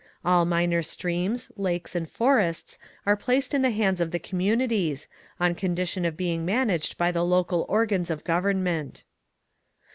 All minor streams, lakes and forests are placed in the hands of the communities, on condition of being managed by the local organs of government.